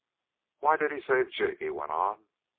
"Why did he save Jig?" he went on.